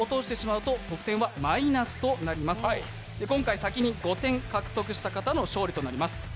今回、先に５点獲得した方の勝利となります。